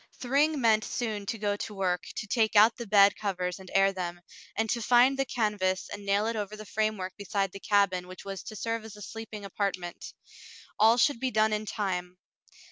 Thryng meant soon to go to work, to take out the bed covers and air them, and to find the canvas and nail it over the framework beside the cabin which was to serve as a sleeping apartment. All should be done in time.